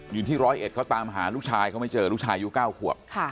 อยู่ที่ร้อยเอ็ดเขาตามหาลูกชายเขาไม่เจอลูกชายอายุ๙ขวบ